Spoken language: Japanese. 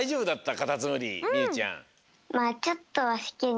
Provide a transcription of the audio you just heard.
カタツムリみゆちゃん。